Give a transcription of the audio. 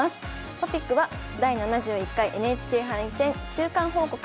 トピックは「第７１回ＮＨＫ杯戦中間報告」。